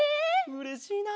うれしいな！